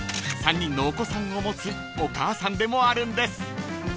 ［３人のお子さんを持つお母さんでもあるんです］